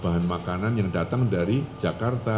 bahan makanan yang datang dari jakarta